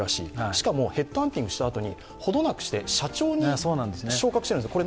しかもヘッドハンティングしたあとに、程なくして社長に昇格してるんです。